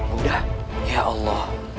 bunda ya allah